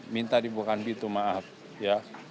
minta dibuatkan itu maaf ya